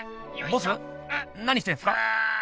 ボス何してんすか？